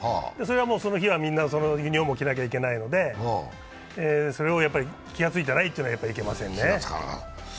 その日は、そのユニフォームを着なきゃいけないのでそれを気がついていないというのはいけませんね。